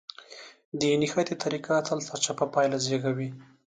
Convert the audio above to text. د نښتې طريقه تل سرچپه پايله زېږوي.